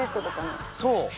そう！